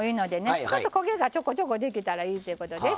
ちょっと焦げがちょこちょこ出来たらいいっていうことです。